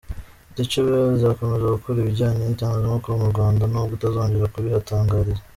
Deutche Welle izakomeza gukora ibijyanye n’itangazamakuru mu Rwanda nubwo itazongera kubihatangariza.